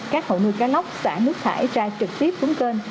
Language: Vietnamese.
các hộ nuôi cá lóc xả nước thải ra trực tiếp xuống kênh